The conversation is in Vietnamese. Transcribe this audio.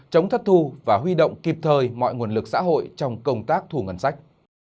chống thất thu và huy động kịp thời mọi nguồn lực xã hội trong công tác thu ngân sách